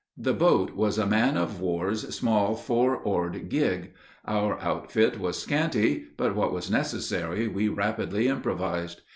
The boat was a man of war's small four oared gig; her outfit was scanty, but what was necessary we rapidly improvised.